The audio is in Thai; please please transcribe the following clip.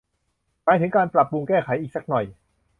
หมายถึงการปรับปรุงแก้ไขอีกสักหน่อย